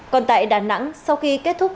còn tại đà nẵng sau khi kết thúc